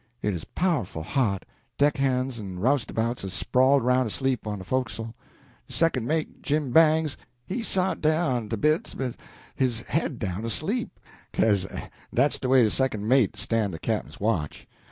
It 'uz pow'ful hot, deckhan's en roustabouts 'uz sprawled aroun' asleep on de fo'cas'l', de second mate, Jim Bangs, he sot dah on de bitts wid his head down, asleep 'ca'se dat's de way de second mate stan' de cap'n's watch!